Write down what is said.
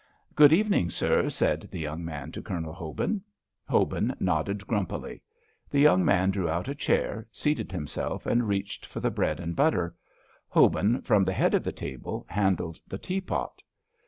"Good evening, sir," said the young man to Colonel Hobin. Hobin nodded grumpily. The young man drew out a chair, seated himself, and reached for the bread and butter. Hobin, from the head of the table, handled the teapot.